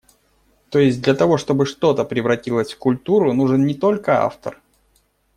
То есть, для того, чтобы что-то превратилось в культуру нужен не только автор.